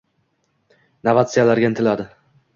novatsiyalarga intiladi